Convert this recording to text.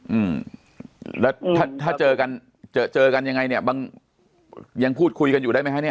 อืมแล้วถ้าถ้าเจอกันเจอเจอกันยังไงเนี้ยบางยังพูดคุยกันอยู่ได้ไหมคะเนี้ย